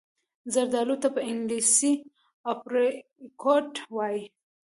زردالو ته په انګلیسي Apricot وايي.